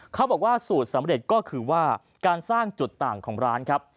เขาบอกว่าสูตรสำเร็จก็คือว่าการสร้างจุดต่างของร้านครับ